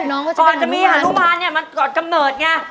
ก่อนจะมีฮานุมานมันกลอดกำเนิดไง